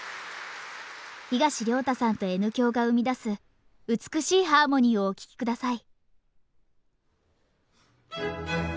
東亮汰さんとＮ響が生み出す美しいハーモニーをお聴き下さい。